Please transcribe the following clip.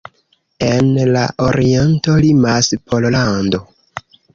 En la oriento limas Pollando.